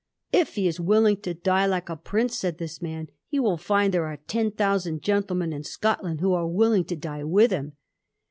^ If he is willing to die like ^ prince,' said this man, ^ he will find there are ten thousand gentlemen in Scotland who are willing to "die with him.'